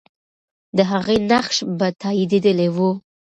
د هغې نقش به تاییدېدلی وو.